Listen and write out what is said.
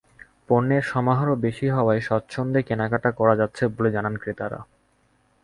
পণ্যের সমাহারও বেশি হওয়ায় স্বচ্ছন্দে কেনাকাটা করা যাচ্ছে বলে জানান ক্রেতারা।